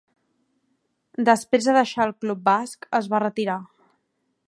Després de deixar el club basc, es va retirar.